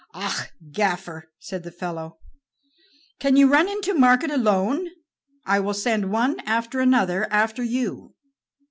"Ah, gaffer," said the fellow, "can you run to market alone? I will send one after another after you."